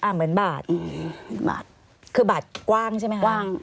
เหมือนบาดคือบาดกว้างใช่ไหมคะกว้าง